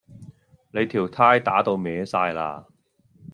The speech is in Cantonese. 你條呔打到歪哂喇